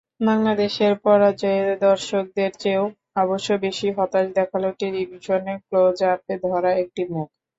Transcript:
বাংলাদেশের পরাজয়ে দর্শকদের চেয়েও অবশ্য বেশি হতাশ দেখাল টেলিভিশনে ক্লোজআপে ধরা একটি মুখ।